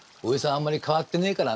あんまり変わってねえからな。